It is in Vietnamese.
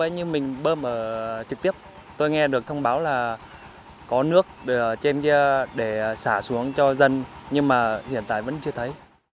như mình bơm trực tiếp tôi nghe được thông báo là có nước trên để xả xuống cho dân nhưng mà hiện tại vẫn chưa thấy